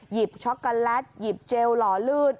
ช็อกโกแลตหยิบเจลหล่อลื่น